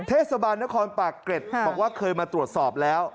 เทศบาลนครปากเกร็ดบอกว่าเคยมาตรวจสอบแล้ว